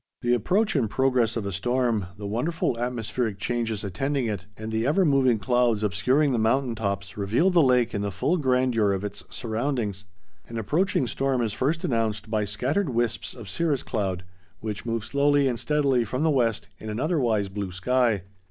The approach and progress of a storm, the wonderful atmospheric changes attending it, and the ever moving clouds obscuring the mountain tops reveal the lake in the full grandeur of its surroundings. An approaching storm is first announced by scattered wisps of cirrus cloud, which move slowly and steadily from the west in an otherwise blue sky.